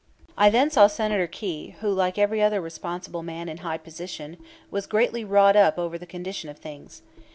I then saw Senator Quay, who, like every other responsible man in high position, was greatly wrought up over the condition of things.